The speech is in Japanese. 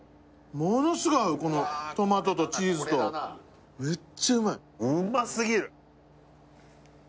ものすごい合うこのトマトとチーズとうわこれだなメッチャうまいうますぎる！